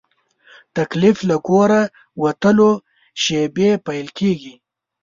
تکلیف له کوره وتلو شېبې پیل کېږي.